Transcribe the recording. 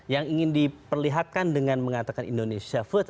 yang ingin diperlihatkan dengan mengatakan indonesia first